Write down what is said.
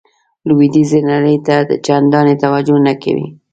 لویدیځې نړۍ ته چندانې توجه نه کوي.